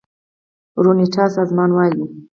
روڼتيا سازمان وايي